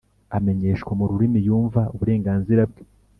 Amenyeshwa mu rurimi yumva uburenganzira bwe